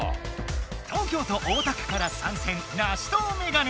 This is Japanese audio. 東京都大田区から参戦ナシトウメガネ！